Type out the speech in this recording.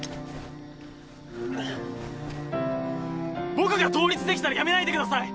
僕が倒立できたらやめないでください。